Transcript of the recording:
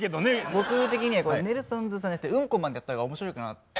僕的にはネルソンズさんじゃなくて「うんこマン」でやった方が面白いかな。